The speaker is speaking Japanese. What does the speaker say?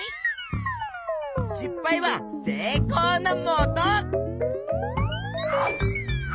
失敗は成功のもと！